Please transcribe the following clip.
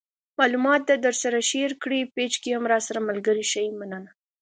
معلومات د درسره شیر کړئ پیج کې هم راسره ملګري شئ مننه